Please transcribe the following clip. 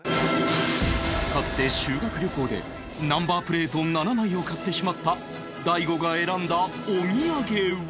かつて修学旅行でナンバープレート７枚を買ってしまった大悟が選んだお土産は？